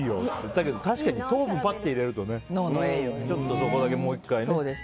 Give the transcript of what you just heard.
だけど、確かに糖分を入れるとそこだけもう１回ね。